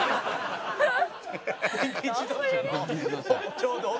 ちょうど音。